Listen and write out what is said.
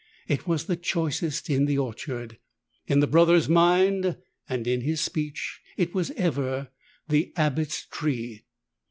It was the choicest in the orchard. In the Brother's mind, and in his speech, it was ever "the Abbot's tree."